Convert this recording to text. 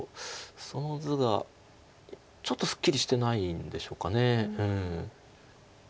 その図がちょっとすっきりしてないんでしょうか。